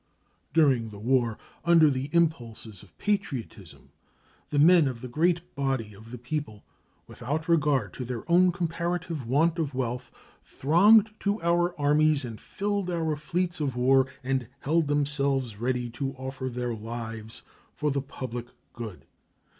During the war, under the impulses of patriotism, the men of the great body of the people, without regard to their own comparative want of wealth, thronged to our armies and filled our fleets of war, and held themselves ready to offer their lives for the public good.